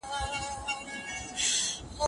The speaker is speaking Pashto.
د هلمند د تاریخي کلاګانو ساتنه باید وشي.